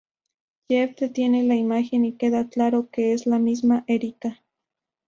Jeff detiene la imagen y queda claro que es la misma Érica.